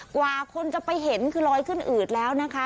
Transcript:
กว่าคนจะไปเห็นคือลอยขึ้นอืดแล้วนะคะ